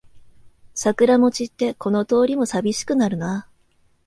桜も散ってこの通りもさびしくなるな